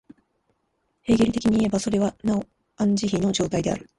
ヘーゲル的にいえば、それはなおアン・ジヒの状態である。